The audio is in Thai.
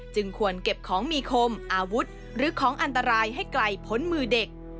ควรเก็บของมีคมอาวุธหรือของอันตรายให้ไกลพ้นมือเด็ก